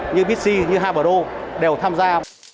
như bc như habro đều tham gia